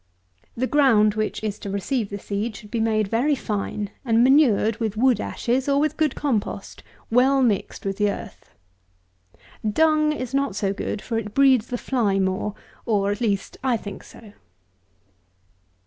The ground which is to receive the seed should be made very fine, and manured with wood ashes, or with good compost well mixed with the earth. Dung is not so good; for it breeds the fly more; or, at least, I think so.